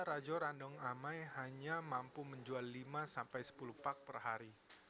rando amai hanya mampu menjual lima sepuluh pak per hari